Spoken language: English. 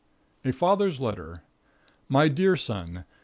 A Father's Letter. My dear son.